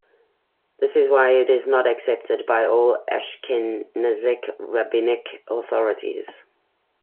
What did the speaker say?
This is why it is not accepted by all Ashkenazic rabbinic authorities.